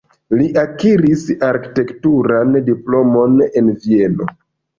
Li akiris arkitekturan diplomon en Vieno.